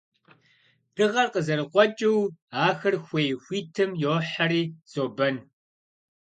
Дыгъэр къызэрыкъуэкӀыу, ахэр хуей хуитым йохьэри зобэн.